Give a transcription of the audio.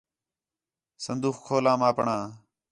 صندوخ کھولام اپݨاں